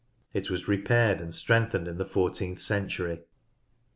It was repaired and strengthened in the fourteenth century.